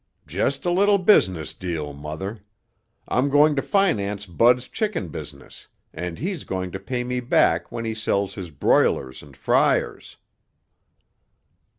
"Just a little business deal, Mother. I'm going to finance Bud's chicken business and he's going to pay me back when he sells his broilers and fryers."